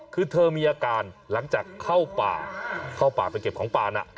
คือเธอมีอาการหลังจากเข้าป่าเข้าป่าไปเก็บของป่านะ